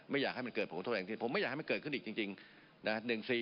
ไม่อยากให้มันเกิดผมโทษแหลงที่ผมไม่อยากให้มันเกิดขึ้นอีกจริง